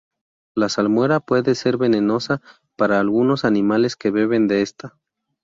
La salmuera puede ser venenosa para algunos animales que beben de esta.